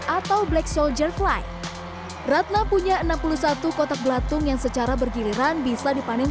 atau black soldier flight ratna punya enam puluh satu kotak belatung yang secara bergiliran bisa dipanen